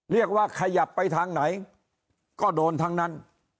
เรียกว่าขยับไปทางไหนก็โดนทั้งนั้น